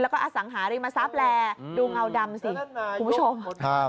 แล้วก็อสังหาริมทรัพย์แหละดูเงาดำสิคุณผู้ชมครับ